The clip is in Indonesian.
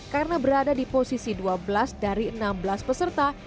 karena berada di posisi dua belas dari enam belas peserta